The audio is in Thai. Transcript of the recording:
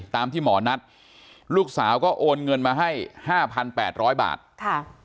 ตามที่หมอนัดลูกสาวก็โอนเงินมาให้ห้าพันแปดร้อยบาทค่ะ